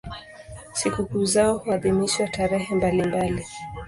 Sikukuu zao huadhimishwa tarehe mbalimbali.